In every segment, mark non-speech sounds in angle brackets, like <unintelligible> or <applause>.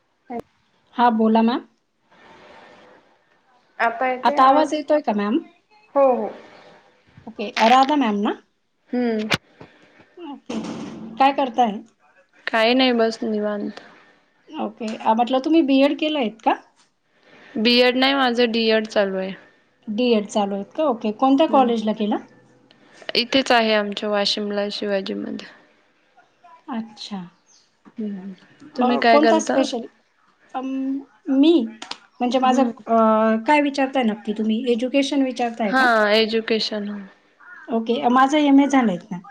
<unintelligible> हां बोला मॅम आता आवाज येतोय का मॅम? हो हो. ओके राधा मॅम ना? हम्म. काय करताय? काय नाही बस निवांत. ओके, म्हटलं तुम्ही बीएड केलंयत का? बी एड नाही माझं, डी एड चालू आहे डी एड चालू आहेत का ओके, कोणत्या हम्म कॉलेजला केला? इथेच आहे आमच्या वाशिमला शिवाजीमध्ये. अच्छा, तुम्ही म काय कोणता करता? स्पेशल ये? अं मी म्हणजे माझं हम्म अं काय विचारताय नक्की तुम्ही? एज्युकेशन विचारता हा, एज्युकेशन? ओके माझा एम ए झालंय ना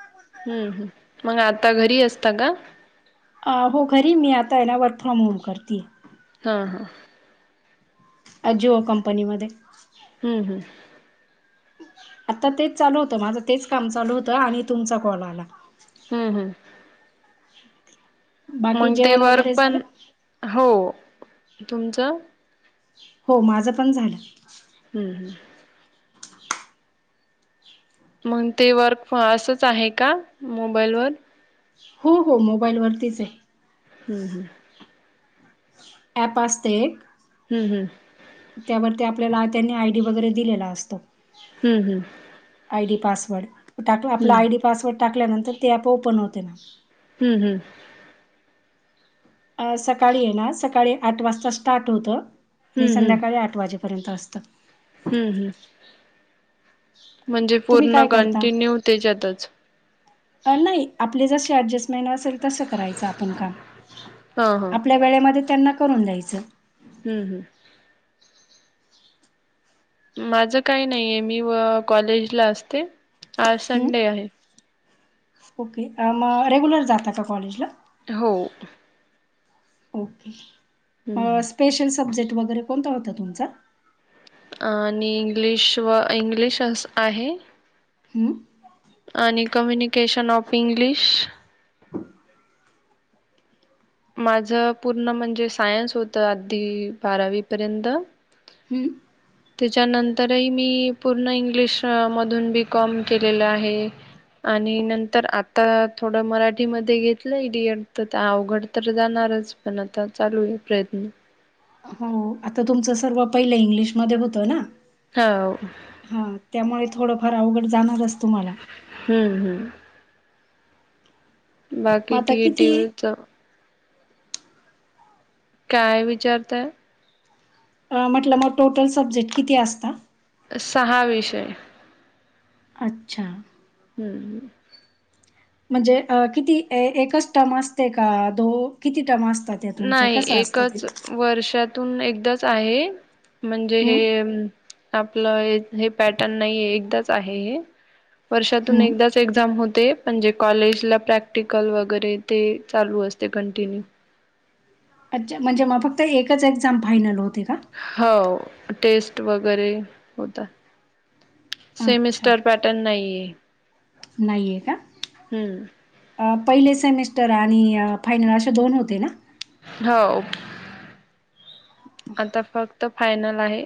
हम्म -हम्म मग आता घरी असता का? अ हो घरी मी आता आहे ना वर्क फ्रॉम होम करती ये. - हा -हा. अजिओ कंपनीमध्ये हम्म -हम्म. आता तेच चालू होतं माझं तेच काम चालू होतं, आणि तुमचा कॉल आला. हम्म -हम्म, बाकी मग ते जेवण वर्क वगैरे झालं? पण हो तुमचं हो माझं पण झालं. हम्म- हम्म. मंग ते वर्क फॉ असच आहे का मोबाईल वर? हो, हो मोबाईल वरतीच ये. हं, हं. ॲप असतंय एक हम्म -हम्म, त्यावरती आपल्याला त्यांनी आयडी वगैरे दिलेला असतो. हम्म -हम्म, आयडी पासवर्ड, तो टाकु आपला हम्म आयडी पासवर्ड टाकल्यानंतर ते ॲप ओपन होतंय ना. हम्म- हम्म, अ सकाळी ये ना सकाळी आठ वाजता स्टार्ट होतं, आणि हम्म हम्म संध्याकाळी आठ वाजे पर्यंत असथ. हम्म -हम्म, म्हणजे तुम्ही पूर्ण काय करता? कंटिन्यू त्याच्यातच. अ नाही आपली जशी ऍडजस्टमेंट असेल, तसं करायचं आपण काम. हा हा आपल्या वेळेमध्ये त्यांना करून द्यायचं. हम्म- हम्म, माझं काही नाही, ये मी व कॉलेज ला असते, आज हं? संडे आहे. ओके अ म रेग्युलर जाता का कॉलेजला? हो, ओके, हम्म. मं स्पेशल सब्जेक्ट वगैरे कोणता होता तुमचा? आणि इंग्लिश व इंग्लिशस् आहे. हं, आणि कम्युनिकेशन ऑफ इंग्लिश माझं पूर्ण म्हणजे सायन्स होतं, आधी बारावी पर्यंत. हम्म, त्याच्यानंतर ही मी पूर्ण इंग्लिश मधून बी. कॉम केलेलं आहे. आणि नंतर आत्ता थोडं मराठीमध्ये घेतलंय डि एड तर ते अवघड तर जाणारच पण आता चालूये प्रयत्न. हो, आता तुमचं सर्व पहिल इंग्लिश मध्ये होतं ना. हो. हा, त्यामुळे थोडंफार अवघड जाणारच तुम्हाला. हम्म- हम्म, मग बाकी आता टी ये टी किती व्ही च काय विचारताय? अ म्हटलं म टोटल सब्जेक्ट किती असता? सहा विषय. अच्छा, हं म्, म्हणजे अ किती ए, एकच टम असते का, दो किती टम असतात? त्या तुमच्या? नाही कसं असतं ते? एकच वर्षात तुन एकदाच आहे, म्हणजे हं, हे आपलं एक हे पॅटर्न नाहीे एकदाच आहे हे, वर्षातून हं. एकदाच चं एक्झाम होते, म्हणजे कॉलेजला प्रॅक्टिकल वगैरे ते चालू असतंय कंटिन्यू. अच्छा म्हणजे म फक्त एकच एक्झाम फायनल होते का? हो, टेस्ट वगैरे होतात. अच्छा, सेमिस्टर अच्छा. पॅटर्न नाहीये हे, नाहीये का? हम्म. अ पहिले सेमिस्टर आणि फायनल अशे दोन होते ना? हो, आता फक्त फायनल आहे.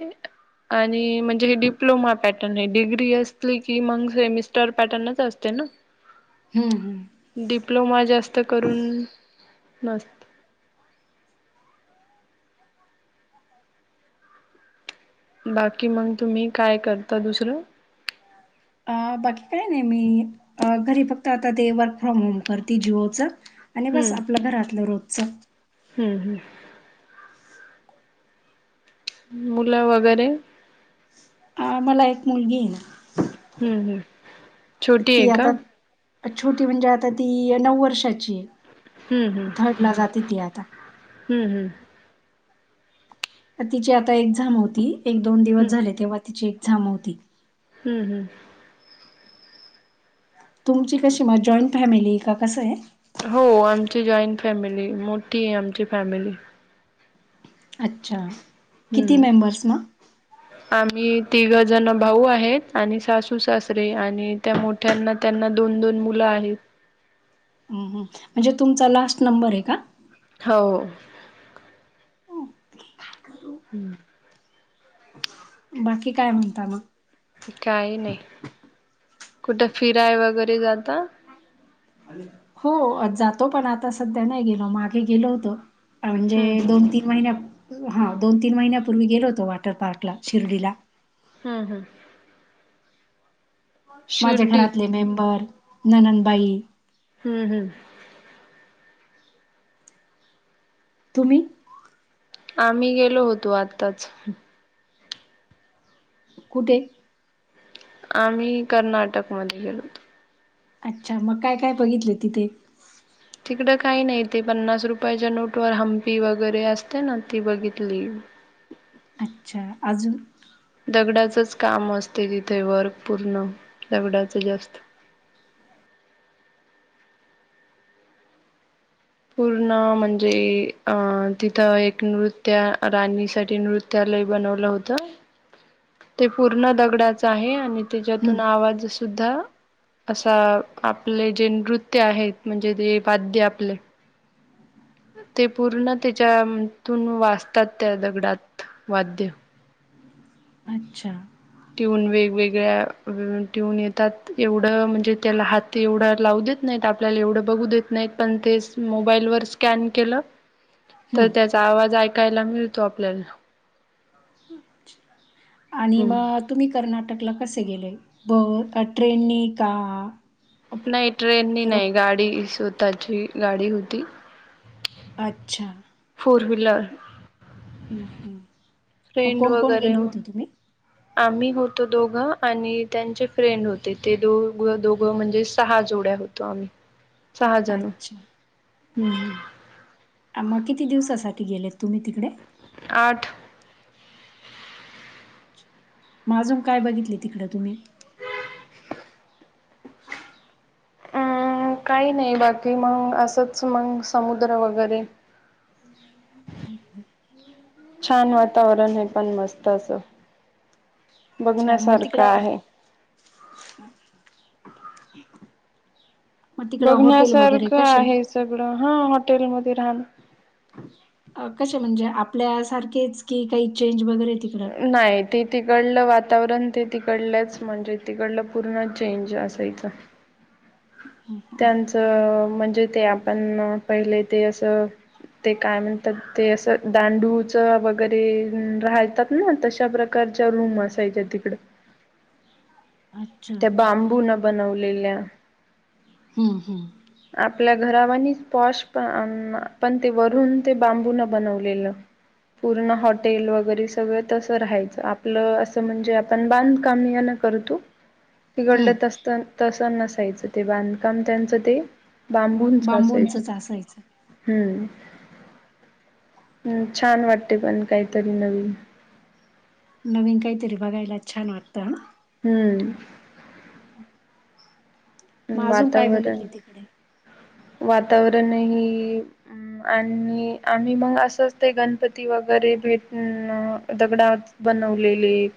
आणि म्हणजे हे डिप्लोमा पॅटर्न ये, डिग्री असली की मगं सेमिस्टर पॅटर्नच असते ना. हम्म -हम्म, डिप्लोमा जास्त करून नस बाकी मंग तुम्ही काय करता दुसरं? अ बाकी काय नाही मी घरी फक्त आता ते वर्क फ्रॉम होम करते अ जी ओ चं. आणि बस आपल्या घरातलं रोजचं. हम्म -हम्म., मुलं वगैरे, मला एक मुलगी ये हम्म -हम् छोटी ती ये का? आता छोटी म्हणजे आता ती नऊ वर्षाची ये. हम्-हम्म हम्म, हम्म हम्म हम्म. त तिची आता एक झांम होती, एक- दोन दिवस हम्म झाले तेव्हा तिची एक्झाम होती. हम्म -हम्म. ह, तुमची कशी म जॉईंट फॅमिली ये का भभभ कसं ये? हो, आमची जॉईंट फॅमिली मोठी आहे, आमची फॅमिली अच्छा, हम्म, ह. <inaudible> आम्ही तिघ जण भाऊ आहेत, आणि सासू सासरे आणि त्या मोठ्या त्यांना- त्यांना दोन दोन मुलं आहेत. हौ, हं म्हणजे तुमचा लास्ट नंबर हे का? हो., हम्म, बाकी काय म्हणता मग? काही नाही कुठे फिराय वगैरे जाता? हो जातो पण आता सध्या नाही गेलो, मागे गेलो होतो म्हणजे हम्म दोन, तीन महिन्या हा दोन तीन महिन्यापूर्वी गेलो होतो वॉटर पार्कला शिर्डीला हम्म हम्म माझ्या शिर्डी घरातले मेंबर, नननबाई हम्म हम्म तुम्ही? आम्ही गेलो होतो आत्ताच कुठे? आम्ही कर्नाटकमध्ये गेलो होतो. अच्छा! मग काय काय बघितलं तिथे? तिकडं काही नाही ते पन्नास रुपयाच्या नोट व हंपी वगैरे असते ना ती बघितली. अच्छा! अजून? दगडाचच काम असते तिथे वर्क पूर्ण दगडाचं जास्त पूर्ण म्हणजे अ तिथं एक नृत्य राणीसाठी नृत्य त्यालाही बनवलं होतं. <inaudible> ते पूर्ण दगडाच आहे आणि हं. त्याच्यातून आवाज सुद्धा असा आपले जे नृत्य आहेत, म्हणजे जे वाद्य आपले ते पूर्ण ते त्याच्यातून वाजतात त्या दगडात वाद्य अच्छा! ट्यून वेगवेगळ्या ट्यून येतात एवढं म्हणजे त्याला हात ते एवढं लावू देत नाहीत आपल्याला एवढं बघू देत नाहीत पण ते मोबाईलवर स्कॅन केलं <inaudible> तर त्याचा आवाज ऐकायला मिळतो आपल्याला. आणि मग हम्म तुम्ही कर्नाटकला कसे गेले? ब ट्रेननी का? अप नाही ट्रेननी एरोप नाही गाडी, स्वतःची गाडी होती. अच्छा! फोर व्हीलर हम्म हम्म मग फ्रेंड कोण कोण वगैरे गेल मग होतं तुम्ही? आम्ही होतो दोघं, आणि त्यांचे फ्रेंड होते, ते दोघ दोघं म्हणजे सहा जोड्या होतो, आम्ही. <inaudible> सहाजन अच्छा. हम्म अं मग किती दिवसासाठी गेले तुम्ही तिकडे? आठ म अजून काय बघितले तिकडं तुम्ही? अ काही नाही बाकी मंग असंच मंग समुद्र वगैरे छान वातावरण आहे, पण मस्त अस अच्छा मग बघण्यासारक तिकडं आहे. मग तिकडं हॉटेल वगैरे बघण्यासारखं कसे? आहे सगळं हा, हॉटेलमध्ये राहण कसे म्हणजे आपल्यासारखेच की, काही चेंज वगैरे तिकडं? नाही ते तिकडलं वातावरण, ते तिकडलंच म्हणजे तिकडलं पूर्ण चेंज असायचं. हा. त्यांचं म्हणजे ते आपण पहिले ते असं ते काय म्हणतात ते असं, दांडूच वगैरे राहतात ना, तशा प्रकार करच्या रूम असायच्या तिकड. अच्छा त्या बांबून बनवलेल्या. हम्म हम्म आपल्या घरावानीच पॉश अन पण ते वरून ते बांबूनून बनवलेलं. पूर्ण हॉटेल वगैरे सगळं तस राहायचं, आपलं असं म्हणजे आपण बांधकाम या न कर तू तिकडं हम्म. तस तस नसायचं ते, बांधकाम त्यांच ते बांबूंच असायचं. बांबूंचच असायचं. हम्म, छान वाटते पण काहीतरी नवीन. नवीन काहीतरी बघायला, छान वाटतं अ हम्म मग अजून काय बघितले तिकडे? वातावरण न ही हम्म आणि आम्ही मंग असंच ते गणपती वगैरे भेटणं दगडात बनवलेले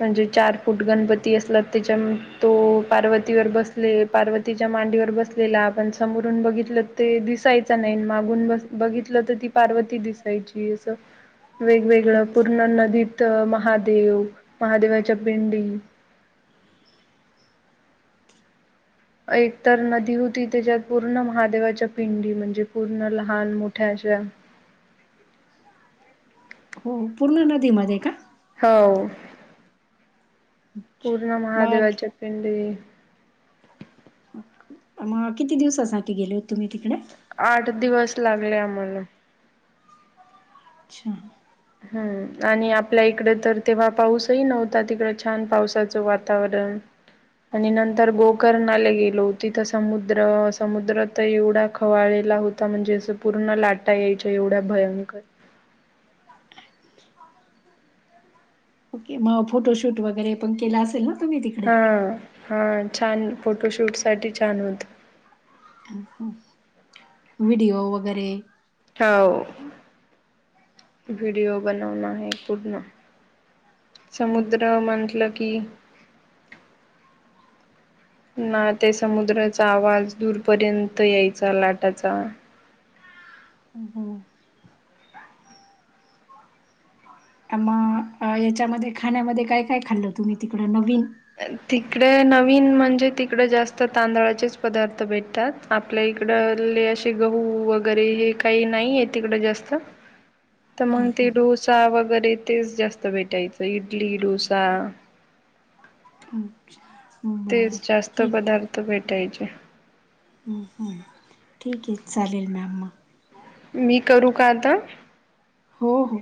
म्हणजे चार फूट गणपती असला त्याच्या तो पार्वतीवर बसले, पार्वतीच्या मांडीवर बसलेला पण समोर बघितलं ते दिसायच नाही, मागून बघितलं तर, ती पार्वती दिसायची असं <inaudible> वेगवेगळं अच्छा. पूर्ण नदीत महादेव महादेवाच्या पिंडी एक तर नदी होती. त्याच्यात पूर्ण महादेवाच्या पिंडी, म्हणजे पूर्ण लहान मोठ्या अशा हो, पूर्ण नदीमध्ये का? हाव पूर्ण मग महादेवाच्या पिंडी. मग किती दिवसासाठी गेले होते तुम्ही तिकडे? आठ दिवस लागले आम्हाला. अच्छा हम्म आणि आपल्या इकड तर, तेव्हा पाऊसही नव्हता तिकडं छान पावसाचं वातावरण आणि नंतर गोकरणाला गेलो तिथं समुद्र, समुद्र तर एवढा खवाळलेला होत ता म्हणजे असं पूर्ण लाटा यायच्या एवढ्या भयंकर. ओके मग फोटोशूट वगैरे पण केला असेल ना? तुम्ही तिकडे? हा हा छान फोटोशूट साठी छान होत. हम्म व्हिडिओ वगैरे हाव व्हिडिओ बनवन हे पूर्ण. समुद्र म्हटलं की <inaudible> ना ते समुद्राचा आवाज दूरपर्यंत यायचा लाटाचा. हम्म आम्हा अ याच्यामध्ये खाण्यामध्ये काय काय खाल्लं तुम्ही तिकड? नवीन तिकड नवीन म्हणजे तिकडे जास्त तांदळाचेच पदार्थ भेटतात. आपल्या इकड ले असे गहू वगैरे हे काही नाहीय तिकडं जास्त. त मग ते हम्म डोसा वगैरे तेच जास्त भेटायचं इडली, डोसा. अच्छा! तेच जास्त पदार्थ भेटायचे. हम्म हम्म ठीक आहे, चालेल मॅम मग. मी करू का आता? हो हो